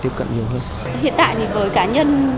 tiếp cận nhiều hơn hiện tại thì với cá nhân